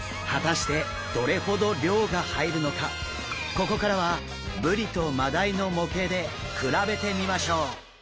ここからはブリとマダイの模型で比べてみましょう。